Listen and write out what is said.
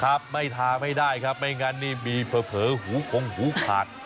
ครับไม่ทาไม่ได้ครับไม่งั้นนี่มีเผลอหูคงหูขาด